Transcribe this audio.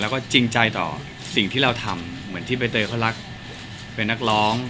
แล้วก็จริงใจต่อสิ่งที่เราทำเหมือนที่ใบเตยเขารักเป็นนักร้อง